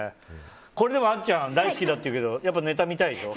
でも、あっちゃん大好きだって言うけどネタ見たいでしょ。